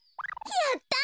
やった！